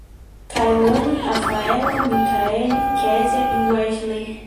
Cailane, Rafaella, Micaeli, Kezia e Weslley